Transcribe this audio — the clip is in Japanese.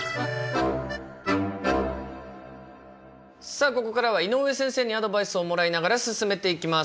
さあここからは井上先生にアドバイスをもらいながら進めていきます。